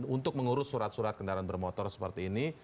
untuk mengurus surat surat kendaraan bermotor seperti ini